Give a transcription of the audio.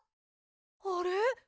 あれ？